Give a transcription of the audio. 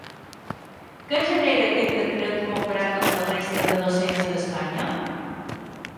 Què genera aquest decret comparat amb la resta de docents a Espanya?